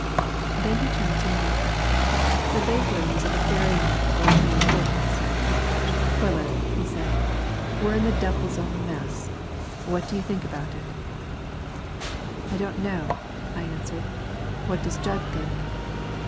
Then he turned to me. The vapourings of the ferryman were of no importance. "Quiller," he said, "we're in the devil's own mess. What do you think about it?" "I don't know," I answered; "what does Jud think?"